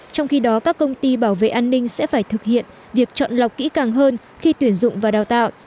trong khi đó các công ty bảo vệ an ninh sẽ phải thực hiện việc chọn lọc kỹ càng hơn khi tuyển dụng và đào tạo